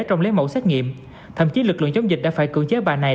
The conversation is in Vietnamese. trong lấy mẫu xét nghiệm thậm chí lực lượng chống dịch đã phải cưỡng chế bà này